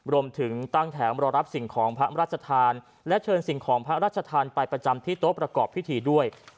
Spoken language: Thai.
รวมถึงตั้งแถมรอรับสิ่งของพระราชทานและเชิญสิ่งของพระราชทานไปประจำที่โต๊ะประกอบพิธีด้วย